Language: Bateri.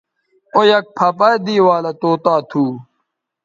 او یک پَھہ پہ دے والہ طوطا تھو